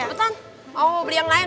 kebetulan mau beli yang lain